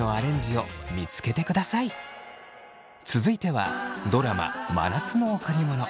続いてはドラマ「真夏の贈りもの」。